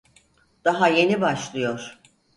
Daha yeni başlıyor.